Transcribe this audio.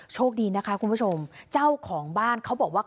โชคดีนะคะคุณผู้ชมเจ้าของบ้านเขาบอกว่า